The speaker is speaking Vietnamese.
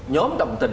nhóm đồng tình